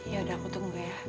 ya udah aku tunggu ya